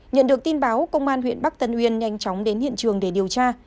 nhận được tin báo công an huyện bắc tân uyên nhanh chóng đến hiện trường để điều tra